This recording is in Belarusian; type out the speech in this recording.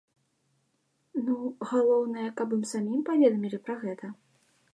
Ну, галоўнае, каб ім самім паведамілі пра гэта.